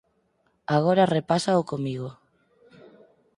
Agora repásao comigo.